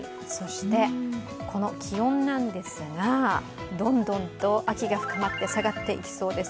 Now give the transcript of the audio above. この気温ですが、どんどんと秋が深まって下がっていきそうです。